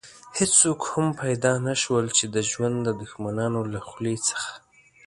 هېڅوک هم پيدا نه شول چې د ژوند د دښمنانو له خولې څخه.